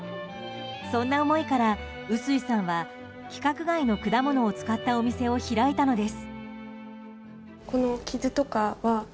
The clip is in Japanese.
そんな思いから薄井さんは規格外の果物を使ったお店を開いたのです。